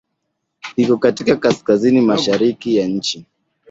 Iko katika kaskazini-mashariki ya nchi.